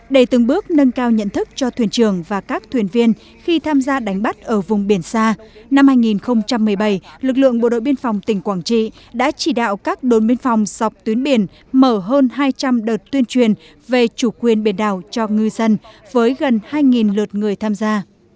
để từng bước nâng cao nhận thức cho thuyền trường và các thuyền viên khi tham gia đánh bắt ở vùng biển xa năm hai nghìn một mươi bảy lực lượng bộ đội biên phòng tỉnh quảng trị đã chỉ đạo các đồn biên phòng dọc tuyến biển mở hơn hai trăm linh đợt tuyên truyền về chủ quyền biển đảo cho ngư dân với gần hai lượt người tham gia